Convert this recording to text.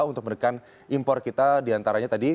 untuk menekan impor kita diantaranya tadi